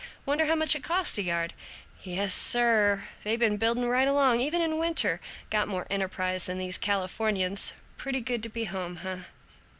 Wonder how much it cost a yard? Yes, sir, they been building right along, even in winter. Got more enterprise than these Californians. Pretty good to be home, eh?"